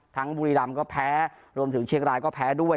บุรีรำก็แพ้รวมถึงเชียงรายก็แพ้ด้วย